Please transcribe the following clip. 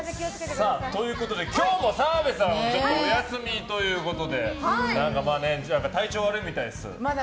今日も澤部さんはお休みということで体調悪いみたいです。